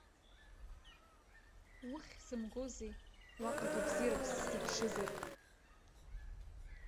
Уххь сымгози, уаҟагьы бзиарак сзыԥшызар!